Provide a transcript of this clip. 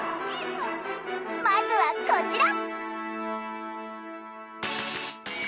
まずはこちら！